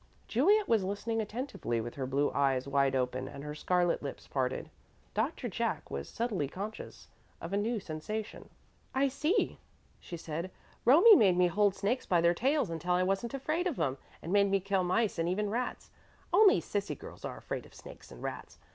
Juliet was listening attentively, with her blue eyes wide open and her scarlet lips parted. Doctor Jack was subtly conscious of a new sensation. "I see," she said. "Romie made me hold snakes by their tails until I wasn't afraid of 'em, and made me kill mice and even rats. Only sissy girls are afraid of snakes and rats.